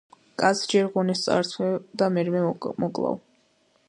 კაცს ჯერ ღონეს წაართმევ და მერმე მოკლავ